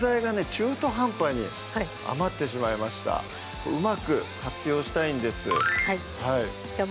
中途半端に余ってしまいましたうまく活用したいんですじゃあ